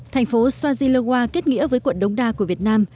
thành phố swaziluwa kết nghĩa với quận đông đa của việt nam